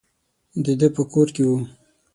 د ده په کور کې وو.